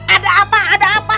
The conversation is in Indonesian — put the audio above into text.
ada apa ada apa